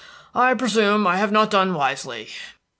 "I presume I have not done wisely.